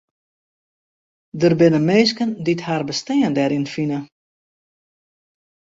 Der binne minsken dy't har bestean deryn fine.